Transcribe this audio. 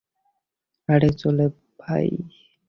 আরে চলো ভাই।